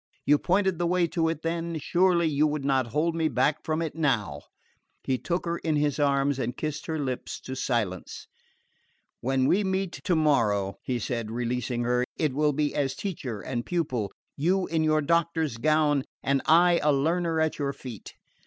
You pointed the way to it then; surely you would not hold me back from it now?" He took her in his arms and kissed her lips to silence. "When we meet tomorrow," he said, releasing her, "It will be as teacher and pupil, you in your doctor's gown and I a learner at your feet.